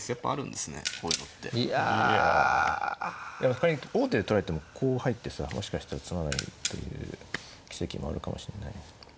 ほかに王手で取られてもこう入ってさもしかしたら詰まないという奇跡もあるかもしんないね。